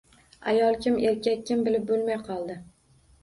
Ayol kim, erkak kim — bilib bo‘lmay qoldi.